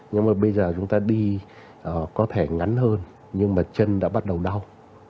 nhưng mà bây giờ chúng ta đi có thể ngắn hơn nhưng mà chân đã bắt đầu đau